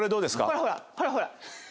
ほらほらほらほら。